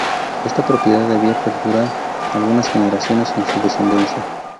Esta propiedad debía perdurar algunas generaciones en su descendencia.